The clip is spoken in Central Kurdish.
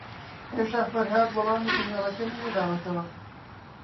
ھێشتا فەرھاد وەڵامی ئیمەیلەکەمی نەداوەتەوە.